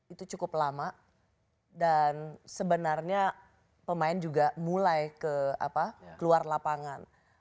itu cukup lama dan sebenarnya pemain juga mulai keluar lapangan